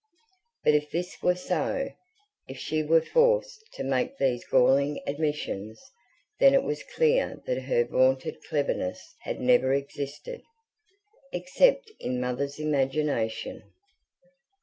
But if this were so, if she were forced to make these galling admissions, then it was clear that her vaunted cleverness had never existed, except in Mother's imagination.